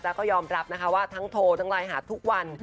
จะยอมรับว่าทั้งโทรทั้งไลน์หาทุกวัน